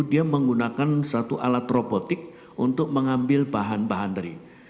dia menggunakan satu alat robotik untuk mengambil bahan bahan tadi